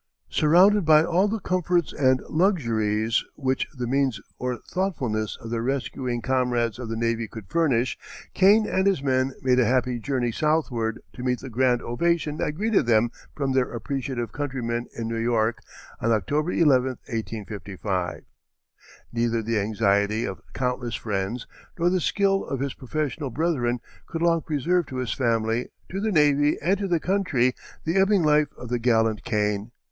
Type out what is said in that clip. Surrounded by all the comforts and luxuries which the means or thoughtfulness of their rescuing comrades of the navy could furnish, Kane and his men made a happy journey southward to meet the grand ovation that greeted them from their appreciative countrymen in New York, on October 11, 1855. Neither the anxiety of countless friends nor the skill of his professional brethren could long preserve to his family, to the navy, and to the country the ebbing life of the gallant Kane.